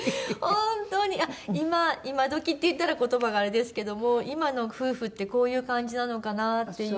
本当に今どきって言ったら言葉があれですけども今の夫婦ってこういう感じなのかなっていう。